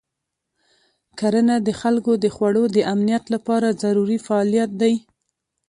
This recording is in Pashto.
کرنه د خلکو د خوړو د امنیت لپاره ضروري فعالیت دی.